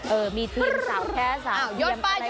เออมีทีมสาวแค่สาวเยี่ยมอะไรกันไป